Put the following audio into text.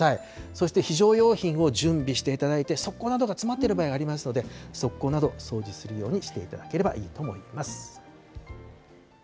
そして非常用品を準備していただいて、側溝などが詰まっている場合がありますので、側溝など、掃除するようにしていただければい